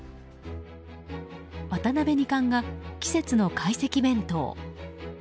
渡辺二冠が季節の会席弁当。